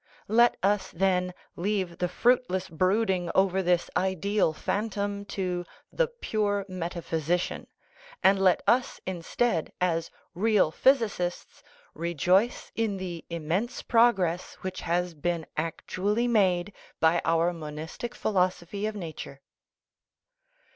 Let us, then, leave the fruit less brooding over this ideal phantom to the "pure metaphysician/' and let us instead, as "real physi cists," rejoice in the immense progress which has been actually made by our monistic philosophy of nature.